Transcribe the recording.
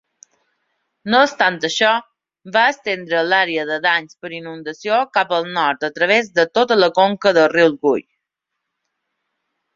No obstant això, va estendre l'àrea de danys per inundació cap al nord a través de tota la conca del riu Gull.